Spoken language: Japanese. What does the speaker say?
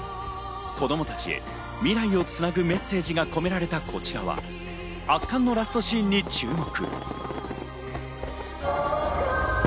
子供たちへ未来をつなぐメッセージが込められたこちらは、圧巻のラストシーンに注目。